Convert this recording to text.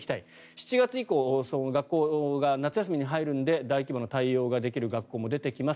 ７月以降学校が夏休みに入るので大規模な対応ができる学校も出てきます。